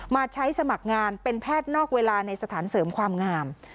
มาใช้สมัครงานเป็นแพทย์นอกเวลาในสถานเสริมความงาม